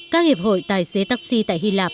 các hiệp hội tài xế taxi tại hy lạp